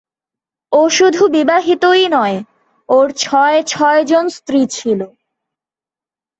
ও শুধু বিবাহিতই নয়, ওর ছয়-ছয়জন স্ত্রী ছিল।